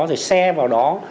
rồi share vào đó